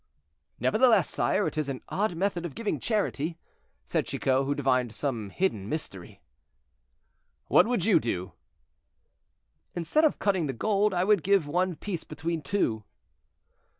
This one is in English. "Nevertheless, sire, it is an odd method of giving charity," said Chicot, who divined some hidden mystery. "What would you do?" "Instead of cutting the gold, I would give one piece between two."